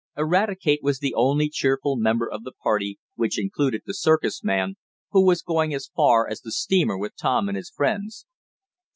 Eradicate was the only cheerful member of the party, which included the circus man, who was going as far as the steamer with Tom and his friends.